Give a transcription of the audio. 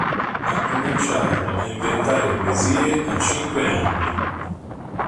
Ha cominciato a inventare poesie a cinque anni.